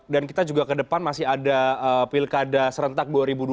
dan kita juga ke depan masih ada pilkada serentak dua ribu dua puluh